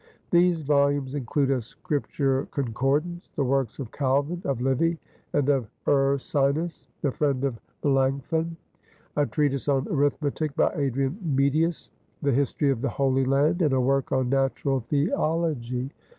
These volumes include a Scripture concordance, the works of Calvin, of Livy, and of Ursinus, the friend of Melanchthon, A Treatise on Arithmetic by Adrian Metius, The History of the Holy Land, and a work on natural theology.